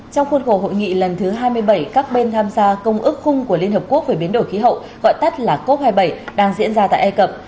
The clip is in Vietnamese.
trong khuôn khổ hội nghị lần thứ hai mươi bảy các bên tham gia công ước khung của liên hợp quốc về biến đổi khí hậu gọi tắt là cop hai mươi bảy đang diễn ra tại ai cập